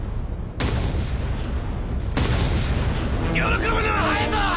喜ぶのは早えぞ！